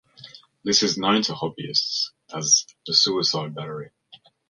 This is known to hobbyists as the "suicide battery".